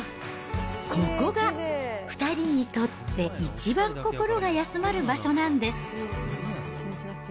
ここが２人にとって一番心が休まる場所なんです。